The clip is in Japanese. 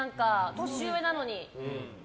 年上なのに。